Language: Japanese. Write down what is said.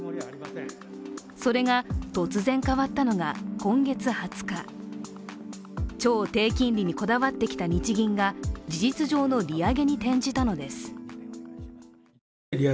それが突然、変わったのが今月２０日超低金利にこだわってきた日銀が事実上の利上げに転じたのです。